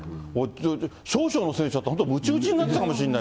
少々の選手だったら、むち打ちになってたかもしれない。